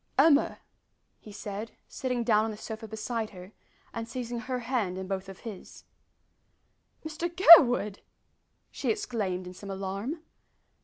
"Emma!" he said, sitting down on the sofa beside her, and seizing her hand in both of his. "Mr Gurwood!" she exclaimed in some alarm.